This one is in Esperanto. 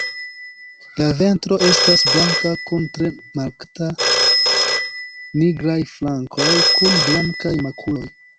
La ventro estas blanka kun tre markata nigraj flankoj kun blankaj makuloj.